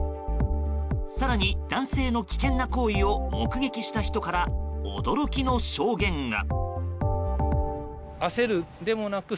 更に、男性の危険な行為を目撃した人から驚きの証言が。